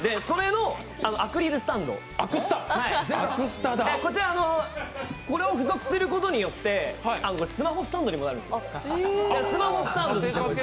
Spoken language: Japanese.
それのアクリルスタンド、こちら、これを付属することによってスマホスタンドにもなるんですよ。